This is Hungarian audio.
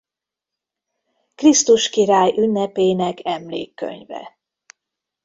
Krisztus Király ünnepének emlékkönyve.